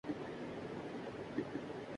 میں اس بات کا خیال رکھوں گا ـ